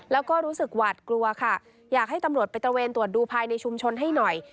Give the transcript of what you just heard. แล้วก็รู้สึกหวาดกลัวค่ะอยากให้ตำรวจไปตระเวนตรวจดูภายในชุมชนให้หน่อย